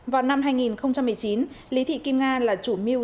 vào năm hai nghìn một mươi chín lý thị kim nga là chủ mưu